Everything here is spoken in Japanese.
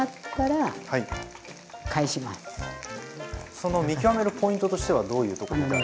その見極めるポイントとしてはどういうところ見たら。